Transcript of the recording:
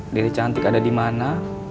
dede cantik ada dimana